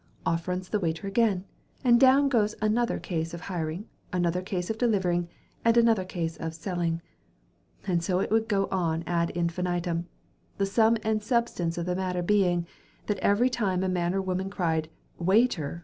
Off runs the waiter again, and down goes another case of hiring, another case of delivering, and another case of selling; and so it would go on ad infinitum, the sum and substance of the matter being, that every time a man or woman cried 'Waiter!